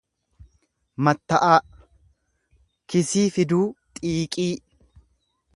Matta'aa, kisii fiduu xiiqii.